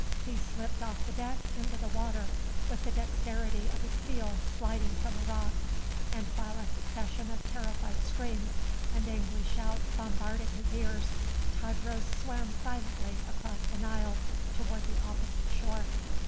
He slipped off the deck into the water with the dexterity of a seal sliding from a rock, and while a succession of terrified screams and angry shouts bombarded his ears, Tadros swam silently across the Nile toward the opposite shore.